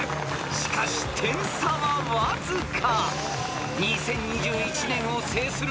［しかし点差はわずか］